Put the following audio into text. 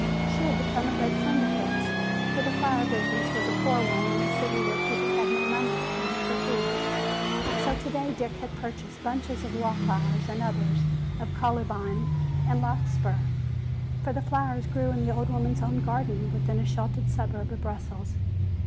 She had become a great friend of his, for the flower business was a poor one in a city where people had no money even for food. So today Dick had purchased bunches of wall flowers and others of columbine and larkspur. For the flowers grew in the old woman's own garden within a sheltered suburb of Brussels.